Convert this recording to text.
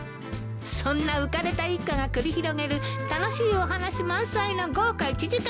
そんな浮かれた一家が繰り広げる楽しいお話満載の豪華１時間スペシャル。